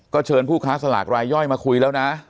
เชิญผู้ค้าสลากรายย่อยมาคุยแล้วนะ